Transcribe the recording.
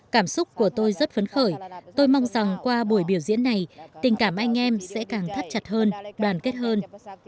cảm xúc của tôi rất phấn khởi tôi mong rằng qua buổi biểu diễn này tình cảm anh em sẽ càng thắt chặt hơn đoàn kết hơn